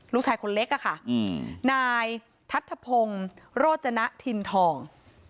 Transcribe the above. ลูกชายคนเล็กอะค่ะนายทัศพงโรจนะทินทอง